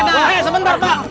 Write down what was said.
loh eh sebentar pak